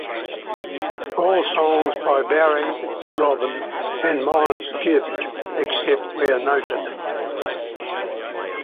All songs by Barry, Robin and Maurice Gibb, except where noted.